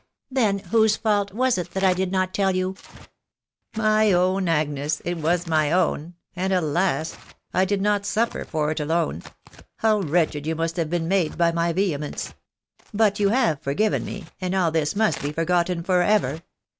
••• Then whose fault was it that I did not tell you ?" My own, Agnes, it was my own ; and, alas !.... I did not suffer for it alone How wretched you must have been made by my vehemence !••.. But you have forgiven me, and all this must be forgotten for ever.